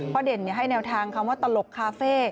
เด่นให้แนวทางคำว่าตลกคาเฟ่